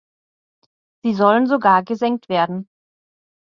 Sie sollen sogar gesenkt werden.